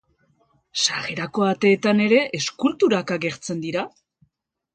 Sarrerako ateetan ere eskulturak agertzen dira.